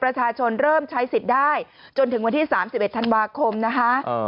ประชาชนเริ่มใช้สิทธิ์ได้ถึงวันที่สามสิบเอ็ดธันวาคมนะฮะ